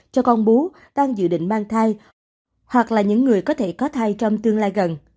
cho con bú đang dự định mang thai hoặc là những người có thể có thai trong tương lai gần